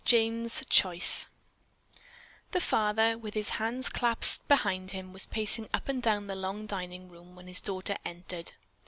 JANE'S CHOICE The father, with his hands clasped behind him, was pacing up and down the long dining room when his daughter entered.